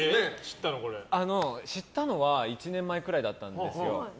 知ったのは１年前くらいだったんですよ。